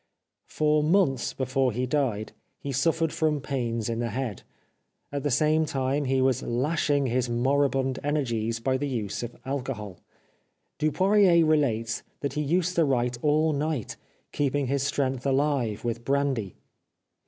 For months before he died he suffered from pains in the head. At the same time he was lashing his moribund energies by the use of alcohol. Dupoirier relates that he used to write all night, keeping his strength ahve with brandy.